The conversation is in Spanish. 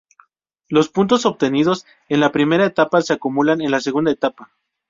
Los puntos obtenidos en la primera etapa se acumulan en la segunda etapa.